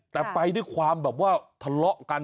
แต่ไปด้วยความทะเลาะกัน